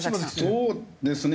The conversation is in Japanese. そうですね